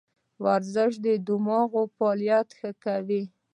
ورزش د دماغو فعالیت ښه کوي.